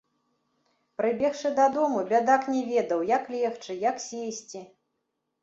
Прыбегшы дадому, бядак не ведаў, як легчы, як сесці.